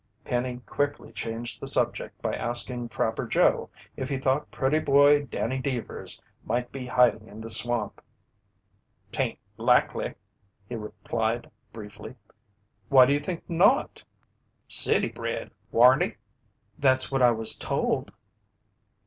Penny quickly changed the subject by asking Trapper Joe if he thought Pretty Boy Danny Deevers might be hiding in the swamp. "'Tain't likely," he replied briefly. "Why do you think not?" "City bred, waren't he?" "That's what I was told."